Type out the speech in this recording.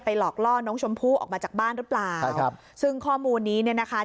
หลอกล่อน้องชมพู่ออกมาจากบ้านหรือเปล่าครับซึ่งข้อมูลนี้เนี่ยนะคะ